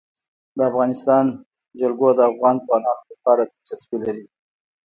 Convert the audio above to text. د افغانستان جلکو د افغان ځوانانو لپاره دلچسپي لري.